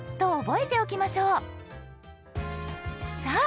さあ